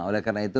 oleh karena itu